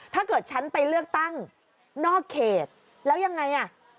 ถ้าเกิดฉันไปเลือกตั้งนอกเขตแล้วยังไงอ่ะ